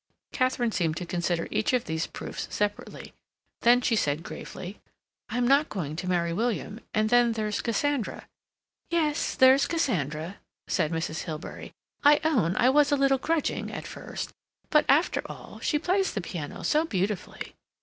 Katharine seemed to consider each of these proofs separately. Then she said gravely: "I'm not going to marry William. And then there's Cassandra—" "Yes, there's Cassandra," said Mrs. Hilbery. "I own I was a little grudging at first, but, after all, she plays the piano so beautifully.